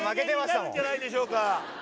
名言になるんじゃないでしょうか。